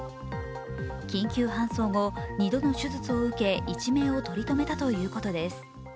緊急搬送後、二度の手術を受け一命を取り留めたということです。